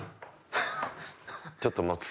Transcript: ちょっと待つ。